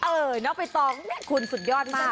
เออนอกไปต้องคุณสุดยอดมาก